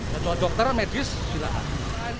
dan untuk dokter medis silakan